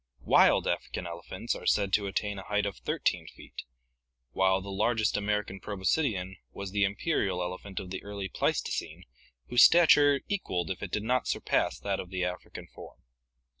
Wild African elephants are said to attain a height of 13 feet, while the largest American proboscidean was the imperial elephant of the early Pleistocene whose stature equalled if it did not surpass that of the African form.